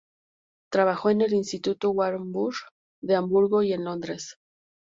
Trabajó en el Instituto Warburg de Hamburgo y en Londres.